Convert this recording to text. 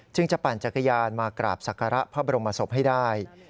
จะปั่นจักรยานมากราบศักระพระบรมศพให้ได้